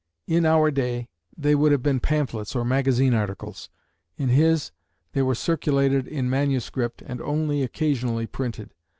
In our day they would have been pamphlets or magazine articles. In his they were circulated in manuscript, and only occasionally printed.